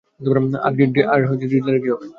আর রিডলারের কী হবে?